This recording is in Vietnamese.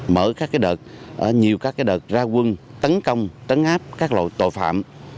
mở các đợt nhiều các đợt ra quân tấn công tấn áp các loại tội phạm